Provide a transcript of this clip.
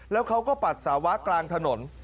แล้วเขาก็ปัสสาวะกลางถนน